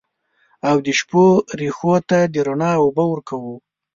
او د شپو رېښو ته د رڼا اوبه ورکوو